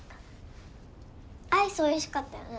アイスおいしかったよね